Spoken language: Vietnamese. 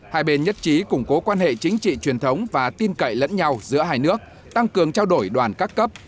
hai bên nhất trí củng cố quan hệ chính trị truyền thống và tin cậy lẫn nhau giữa hai nước tăng cường trao đổi đoàn các cấp